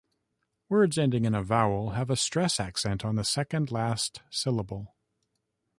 Words ending in a vowel have a stress accent on the second-last syllable.